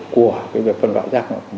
của việc phân loại rác